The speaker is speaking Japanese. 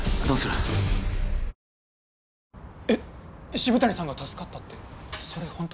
渋谷さんが助かったってそれホント？